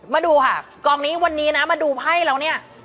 มาดูค่ะกองนี้วันนี้นะมาดูไพ่แล้วเนี่ย